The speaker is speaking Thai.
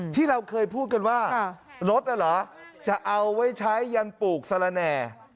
ที่เราเคยพูดกันว่ารถน่ะเหรอจะเอาไว้ใช้ยันปลูกสละแหน่